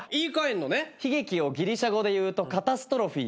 悲劇をギリシャ語でいうとカタストロフィー。